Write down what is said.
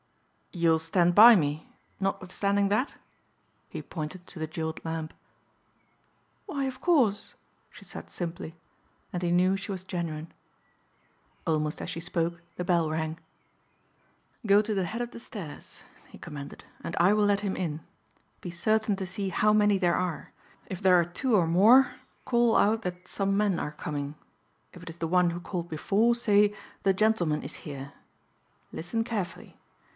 "You'll stand by me notwithstanding that?" he pointed to the jeweled lamp. "Why of course," she said simply, and he knew she was genuine. Almost as she spoke the bell rang. "Go to the head of the stairs," he commanded, "and I will let him in. Be certain to see how many there are. If there are two or more, call out that some men are coming. If it is the one who called before, say 'the gentleman is here.' Listen carefully.